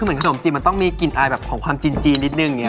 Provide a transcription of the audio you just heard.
เหมือนขนมจีนมันต้องมีกลิ่นอายแบบของความจีนนิดนึงอย่างนี้